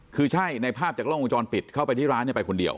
คือใช่ในภาพจากล้องวงจรปิดเข้าไปที่ร้านไปคนเดียว